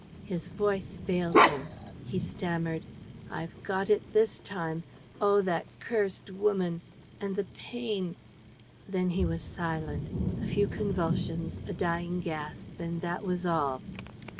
..." His voice failed him. He stammered: "I've got it this time. ... Oh, that cursed woman! ... And the pain ...!" Then he was silent. A few convulsions, a dying gasp and that was all.